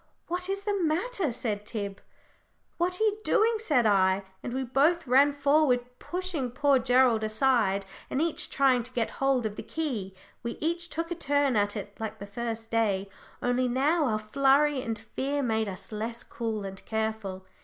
"What is the matter?" said Tib. "What are you doing?" said I; and we both ran forward, pushing poor Gerald aside, and each trying to get hold of the key. We each took a turn at it, like the first day, only now our flurry and fear made us less cool and careful.